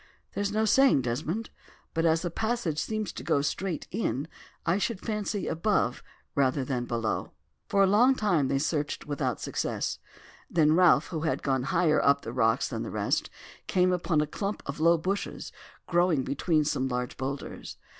"There is no saying, Desmond. But as the passage seems to go straight in, I should fancy above rather than below." For a long time they searched without success; then Ralph, who had gone higher up the rocks than the rest, came upon a clump of low bushes growing between some large boulders.